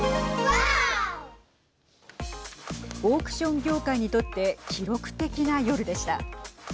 オークション業界にとって記録的な夜でした。